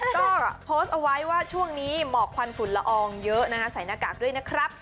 ก็โพสต์เอาไว้ว่าช่วงนี้หมอกควันฝุ่นละอองเยอะนะคะใส่หน้ากากด้วยนะครับ